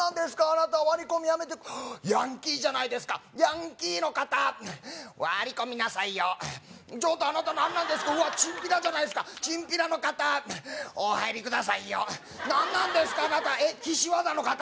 あなた割り込みやめてヤンキーじゃないですかヤンキーの方割り込みなさいよちょっとあなた何なんですかうわっチンピラじゃないですかチンピラの方お入りくださいよ何なんですかあなたえっ岸和田の方？